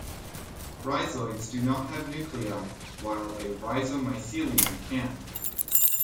Rhizoids do not have nuclei while a rhizomycelium can.